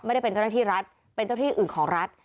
ไม่ได้เป็นเจ้าหน้าที่รัฐเป็นเจ้าที่อื่นของรัฐ